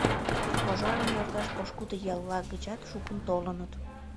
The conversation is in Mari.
Пожарым йӧрташ пошкудо ялла гычат шукын толыныт.